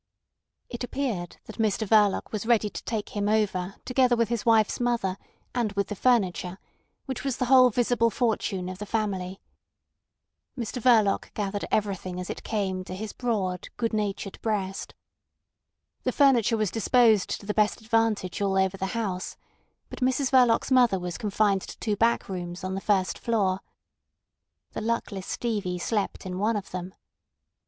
It appeared that Mr Verloc was ready to take him over together with his wife's mother and with the furniture, which was the whole visible fortune of the family. Mr Verloc gathered everything as it came to his broad, good natured breast. The furniture was disposed to the best advantage all over the house, but Mrs Verloc's mother was confined to two back rooms on the first floor. The luckless Stevie slept in one of them.